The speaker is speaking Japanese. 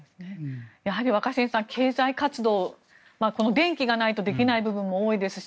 やはり若新さん経済活動は電気がないとできない部分も多いですし